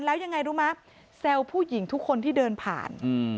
แล้วยังไงรู้ไหมแซวผู้หญิงทุกคนที่เดินผ่าน